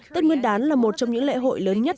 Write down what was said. tết nguyên đán là một trong những lễ hội lớn nhất